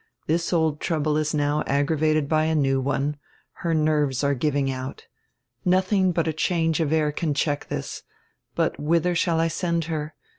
This old trouhle is now aggravated by a new one; her nerves are giving out. Nothing but a change of air can check this. But whither shall I send her?